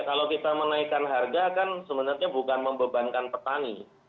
kalau kita menaikkan harga kan sebenarnya bukan membebankan petani